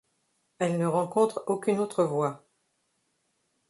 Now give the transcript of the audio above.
Elle ne rencontre aucune autre voie.